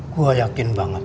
gua yakin banget